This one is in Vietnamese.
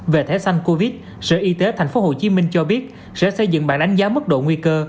về thẻ xanh covid sở y tế tp hcm cho biết sẽ xây dựng bản đánh giá mức độ nguy cơ